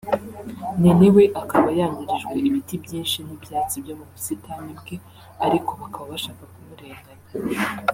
none we akaba yangirijwe ibiti byinshi n’ibyatsi byo mu busitani bwe ariko bakaba bashaka kumurenganya